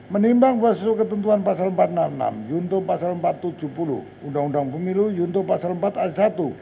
menimbang bahwa sesuai ketentuan pasal empat ratus enam puluh enam yunto pasal empat ratus tujuh puluh undang undang pemilu yunto pasal empat ayat satu